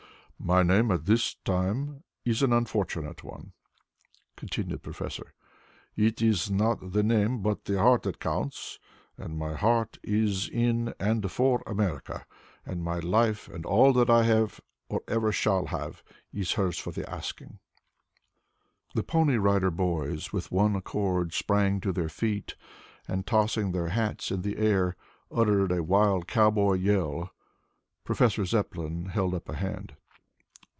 "My name, at this time, is an unfortunate one," continued the professor. "It is not the name, but the heart that counts, and my heart is in and for America, and my life and all that I have or ever shall have is hers for the asking." The Pony Rider Boys with one accord sprang to their feet and, tossing their hats in the air, uttered a wild cowboy yell. Professor Zepplin held up a hand.